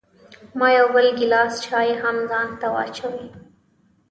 ما یو بل ګیلاس چای هم ځان ته واچوه.